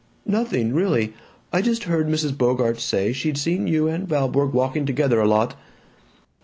"Nothing, really. I just heard Mrs. Bogart say she'd seen you and Valborg walking together a lot."